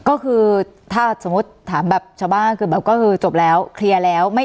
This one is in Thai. ก็คือถ้าสมมุติถามแบบชาวบ้านคือแบบก็คือจบแล้วเคลียร์แล้วไม่